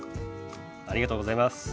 ありがとうございます。